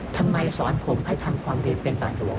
ทำไมสอนผมให้ทำความเรียนเป็นบ๕๘